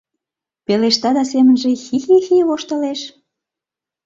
Пелешта да семынже хи-хи-хи воштылеш.